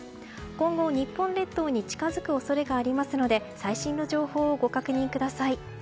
今後、日本列島に近づく恐れがありますので最新の情報をご確認ください。